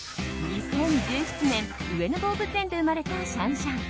２０１７年、上野動物園で生まれたシャンシャン。